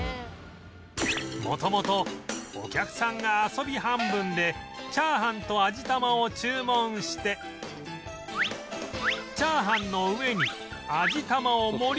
元々お客さんが遊び半分でチャーハンと味玉を注文してチャーハンの上に味玉を盛り付け